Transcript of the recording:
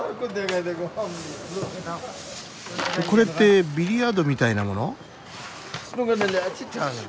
これってビリヤードみたいなもの？